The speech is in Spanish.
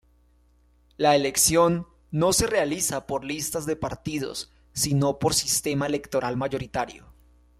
La elección no se realiza por listas de partidos sino por sistema electoral mayoritario.